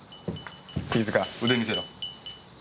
飯塚腕見せろ。